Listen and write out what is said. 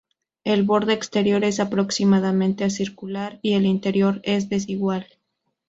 El borde exterior es aproximadamente circular, y el interior es desigual.